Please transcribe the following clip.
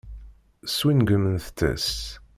Swingmemt-as.